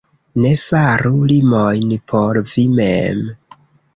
Ne faru limojn por vi mem.